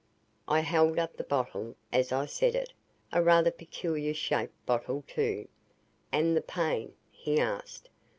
I held up the bottle, as I said it, a rather peculiar shaped bottle, too. "And the pain?" he asked.